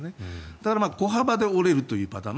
だから小幅で折れるというパターン。